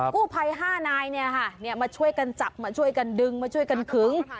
กู้ภัย๕นายมาช่วยกันจับมาช่วยกันดึงมาช่วยกันขึง